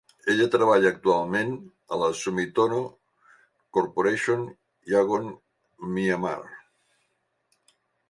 Ella treballa actualment a Sumitomo Corporation, Yangon, Myanmar.